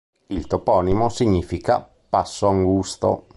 Il toponimo significa "passo angusto".